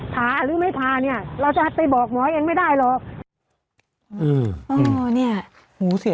ผ่าหรือไม่ผ่าเนี่ยเราจะไปบอกหมอเองไม่ได้หรอกอืมอ๋อเนี่ยหูเสีย